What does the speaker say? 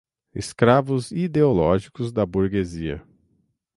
escravos ideológicos da burguesia